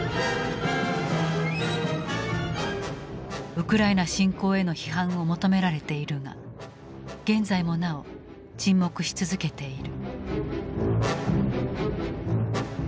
ウクライナ侵攻への批判を求められているが現在もなお沈黙し続けている。